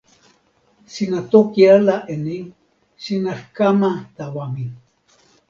sina toki ala e ni: sina kama tawa mi.